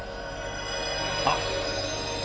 あっ！？